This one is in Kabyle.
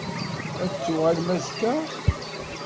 Ad d-tuɣalem azekka?